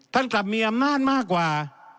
กลับมีอำนาจมากกว่า